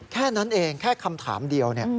แค่นั้นเองแค่คำถามเดียว